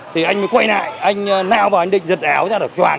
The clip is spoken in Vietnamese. thì anh mới quay lại anh nao vào anh định giật áo ra